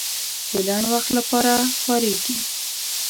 د لنډ وخت لپاره پارېږي.